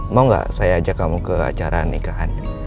mau nggak saya ajak kamu ke acara nikahan